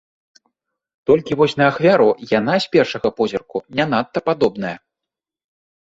Толькі вось на ахвяру яна з першага позірку не надта падобная.